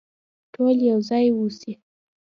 ټول يو ځای اوسئ.